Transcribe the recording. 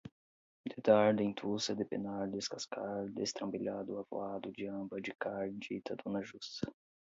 dedar, dentuça, depenar, descascar, destrambelhado, avoado, diamba, dicar, dita, dona justa